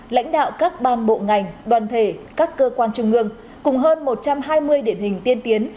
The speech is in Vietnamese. lãnh đạo các ban bộ ngành đoàn thể các cơ quan trung ương cùng hơn một trăm hai mươi điển hình tiên tiến